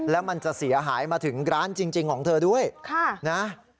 แล้วมันจะเสียหายมาถึงร้านจริงของเธอด้วยนะ